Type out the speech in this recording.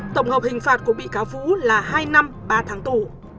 tổng hợp hình phạt của bị cáo vũ là hai năm ba tháng tù